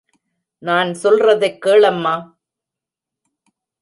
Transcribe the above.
நான் சொல்றதக் கேளம்மா?